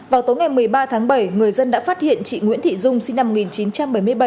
vào tối ngày một mươi ba tháng bảy người dân đã phát hiện chị nguyễn thị dung sinh năm một nghìn chín trăm bảy mươi bảy